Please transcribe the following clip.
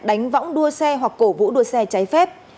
đánh võng đua xe hoặc cổ vũ đua xe trái phép